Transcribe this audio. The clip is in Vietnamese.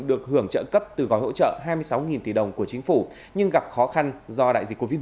được hưởng trợ cấp từ gói hỗ trợ hai mươi sáu tỷ đồng của chính phủ nhưng gặp khó khăn do đại dịch covid một mươi chín